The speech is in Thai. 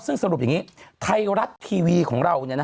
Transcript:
ซึ่งสรุปอย่างนี้ไทยรัฐทีวีของเรา